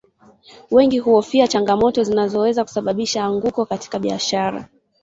Wengi huhofia changamoto zinazoweza kusababisha anguko katika biashara